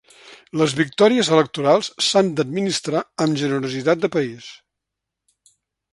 Les victòries electorals s’han d’administrar amb generositat de país.